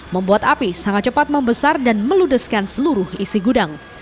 membuat api sangat cepat membesar dan meludeskan seluruh isi gudang